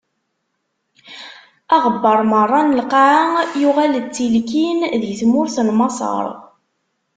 Aɣebbar meṛṛa n lqaɛa yuɣal d tilkin di tmurt n Maṣer.